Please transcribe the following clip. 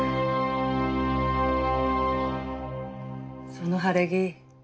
その晴れ着